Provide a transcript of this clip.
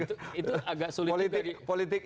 hahaha itu itu agak sulit politik politik